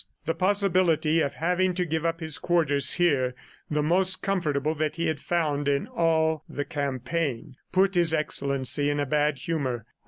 The possibility of having to give up his quarters here, the most comfortable that he had found in all the campaign, put His Excellency in a bad humor.